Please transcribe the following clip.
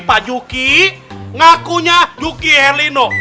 pak yuki ngakunya yuki helino